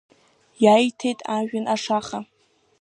Иаиҭеит ажәҩан ашаха…